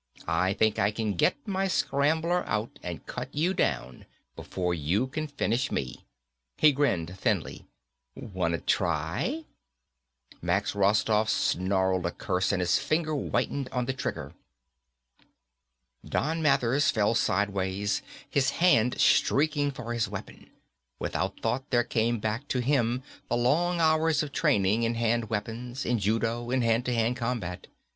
I think I can get my scrambler out and cut you down before you can finish me." He grinned thinly, "Wanta try?" Max Rostoff snarled a curse and his finger whitened on the trigger. Don Mathers fell sideward, his hand streaking for his weapon. Without thought there came back to him the long hours of training in hand weapons, in judo, in hand to hand combat.